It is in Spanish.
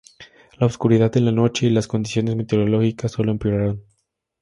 La oscuridad de la noche y las condiciones meteorológicas solo empeoraron la labor.